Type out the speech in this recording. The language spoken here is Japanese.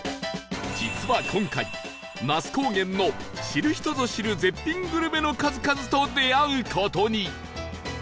実は今回那須高原の知る人ぞ知る絶品グルメの数々と出会う事に